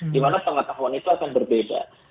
di mana pengetahuan itu akan berbeda